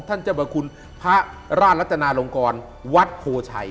ท่านเจ้าบริคุณพระราชนาลักษณะลงคลวัดโพชัย